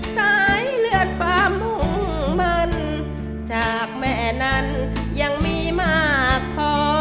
สายเลือดความมุ่งมันจากแม่นั้นยังมีมากพอ